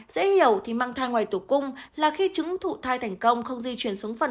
dễ hiểu thì mang thai ngoài tử cung là khi chứng thụ thai thành công không di chuyển xuống phần